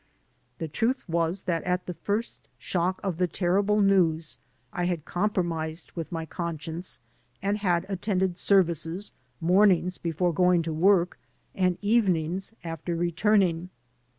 The truth was that at the first shock of the terrible news I had compromised with my conscience and had attended services, mornings before going to work and evenings after returning.